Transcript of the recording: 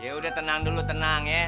yaudah tenang dulu tenang ya